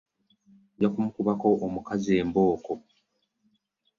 Nja kumukubako omukazi embooko.